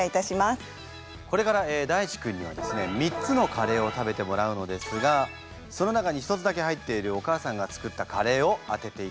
これから大馳くんにはですね３つのカレーを食べてもらうのですがその中に１つだけ入っているお母さんが作ったカレーを当てていただきます。